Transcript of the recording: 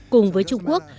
cùng với trung quốc